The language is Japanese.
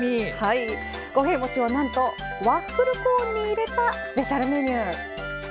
五平餅をなんとワッフルコーンに入れたスペシャルメニュー。